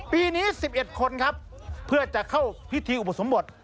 ปีนี้๑๑คนครับเพื่อจะเข้าพิธีอุปสมบท